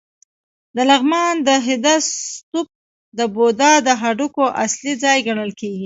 د لغمان د هده ستوپ د بودا د هډوکو اصلي ځای ګڼل کېږي